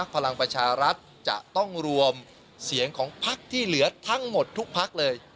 พลังประชารัฐจะต้องรวมเสียงของพักที่เหลือทั้งหมดทุกพักเลย